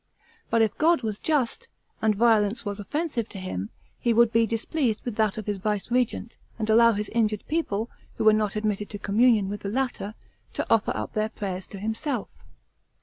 But if God was just, and violence was offensive to him, he would be displeased with that of his viceregent, and allow his injured people who were not admitted to communion with the latter, to offer up their prayers to himself.